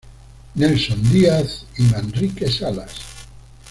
Nelson Díaz y Manrique Salas.